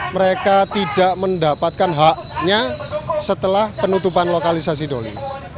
mereka tidak mendapatkan haknya setelah penutupan lokalisasi doli